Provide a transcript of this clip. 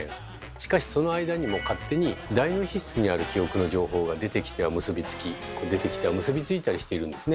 しかしその間にも勝手に大脳皮質にある記憶の情報が出てきては結びつきこう出てきては結びついたりしているんですね。